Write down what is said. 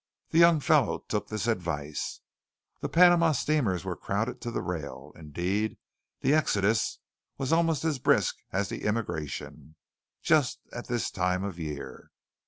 The young fellow took this advice. The Panama steamers were crowded to the rail. Indeed, the exodus was almost as brisk as the immigration, just at this time of year.